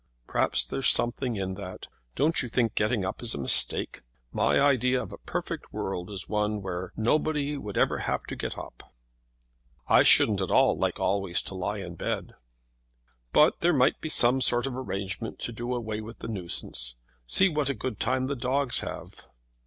"Perhaps there's something in that. Don't you think getting up is a mistake? My idea of a perfect world is one where nobody would ever have to get up." "I shouldn't at all like always to lie in bed." "But there might be some sort of arrangement to do away with the nuisance. See what a good time the dogs have."